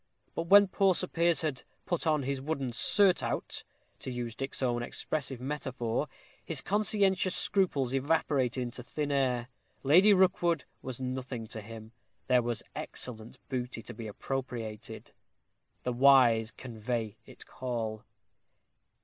But when poor Sir Piers had "put on his wooden surtout," to use Dick's own expressive metaphor, his conscientious scruples evaporated into thin air. Lady Rookwood was nothing to him; there was excellent booty to be appropriated The wise convey it call.